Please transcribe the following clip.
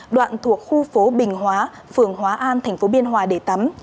đoạn thuộc khu phố bình hóa phường hóa an thành phố biên hòa để tắm